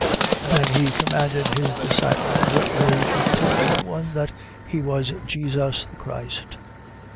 Then he commanded his disciples, that they should tell no one that he was Jesus the Christ.